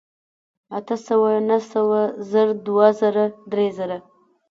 اتۀ سوه نهه سوه زر دوه زره درې زره